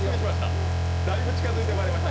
だいぶ近づいてまいりました。